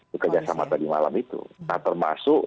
bekerjasama tadi malam itu nah termasuk